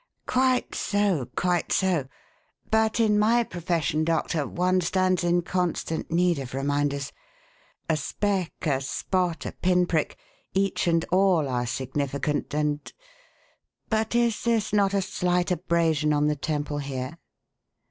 "Quite so, quite so. But in my profession, Doctor, one stands in constant need of 'reminders.' A speck, a spot, a pin prick each and all are significant, and But is this not a slight abrasion on the temple here?"